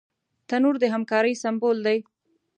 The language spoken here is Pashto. تنور د همکارۍ سمبول دی